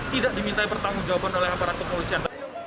tidak dimintai pertanggung jawaban oleh hakikat